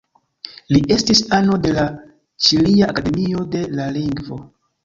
Li estis ano de la Ĉilia Akademio de la Lingvo.